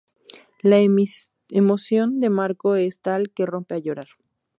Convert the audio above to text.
La emoción de Marco es tal que rompe a llorar.